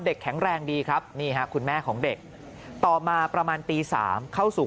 แข็งแรงดีครับนี่ฮะคุณแม่ของเด็กต่อมาประมาณตี๓เข้าสู่